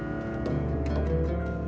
tahlilan itu biasa